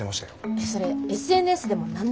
それＳＮＳでも何でもないから。